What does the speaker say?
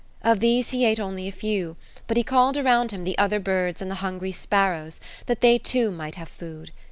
Of these he ate only a few, but he called around him the other birds and the hungry sparrows, that they too might have food.